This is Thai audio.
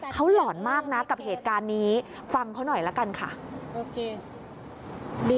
เขาหล่อนมากนะกับเหตุการณ์นี้ฟังเขาหน่อยละกันค่ะ